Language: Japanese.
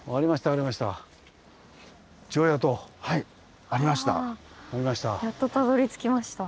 ありました。